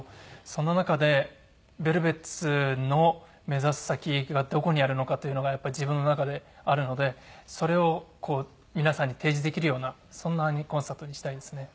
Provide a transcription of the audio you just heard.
そんな中でＶＥＬＶＥＴＳの目指す先はどこにあるのかというのがやっぱり自分の中であるのでそれを皆さんに提示できるようなそんなコンサートにしたいですね。